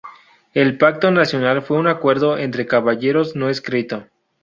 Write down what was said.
El Pacto Nacional fue un acuerdo entre caballeros no escrito.